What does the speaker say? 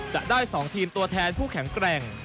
จะได้๒ทีมตัวแทนผู้แข็งแกร่ง